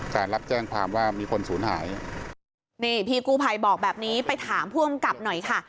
รับแจ้งความว่ามีคนศูนย์หายนี่พี่กู้ภัยบอกแบบนี้ไปถามผู้กำกับหน่อยค่ะ